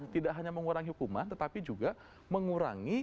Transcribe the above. tidak hanya mengurangi hukuman tetapi juga mengurangi